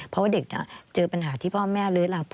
เพราะว่าเด็กเจอปัญหาที่พ่อแม่ลื้อหลัง